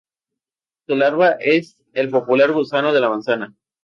Su larva es el popular "gusano de la manzana".